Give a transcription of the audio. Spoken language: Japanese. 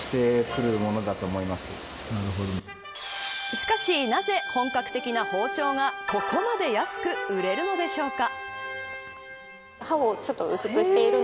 しかし、なぜ本格的な包丁がここまで安く売れるのでしょうか。